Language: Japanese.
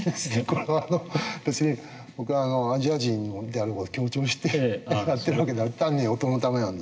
これは別に僕はアジア人である事強調してやってる訳ではなくて単に音のためなんですけど。